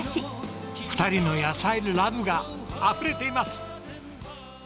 ２人の野菜ＬＯＶＥがあふれています！